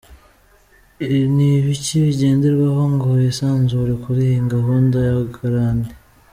Ni ibiki bigenderwaho ngo wisanzure kuri iyi gahunda ya garanti? .